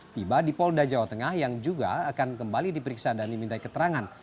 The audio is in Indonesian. tiba di polda jawa tengah yang juga akan kembali diperiksa dan diminta keterangan